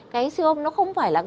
cái xương nó không phải là